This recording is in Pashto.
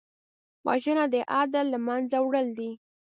وژنه د عدل له منځه وړل دي